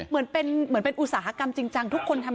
เหมือนเป็นเหมือนเป็นอุตสาหกรรมจริงจังทุกคนทำ